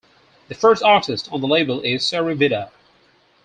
The first artist on the label is Seri Vida.